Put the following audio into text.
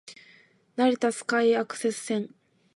成田スカイアクセス線